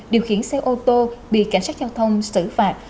điều khiển xe ô tô bị cảnh sát giao thông xử phạt